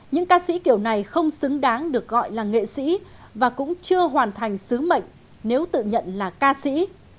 những ca sĩ kiểu này không xứng đáng được gọi là nghệ sĩ và cũng chưa hoàn thành sứ mệnh nếu tự nhận là ca sĩ